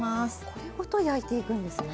これごと焼いていくんですね。